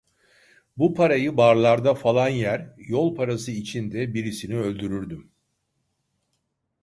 Bu parayı barlarda falan yer, yol parası için de birisini öldürürdüm.